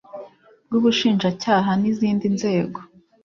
rw Ubushinjacyaha n izindi nzego